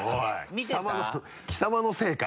はい。